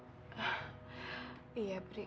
sebentar lagi mbak akan mau melahirkan